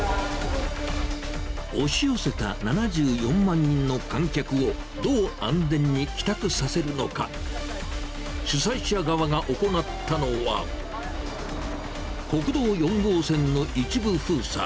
押し寄せた７４万人の観客をどう安全に帰宅させるのか、主催者側が行ったのは、国道４号線の一部封鎖。